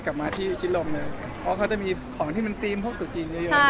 กับมาที่ชิดลมเลยเพราะเขาจะมีของที่มันติดตรงตุจีนเยอะต่างต่าง